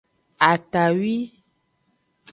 Atawi.